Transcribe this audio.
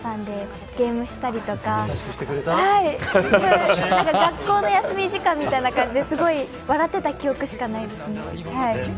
本当に楽しくて空き時間とかに皆さんでゲームをしたりとか学校の休み時間みたいな感じですごい笑ってた記憶しかないですね。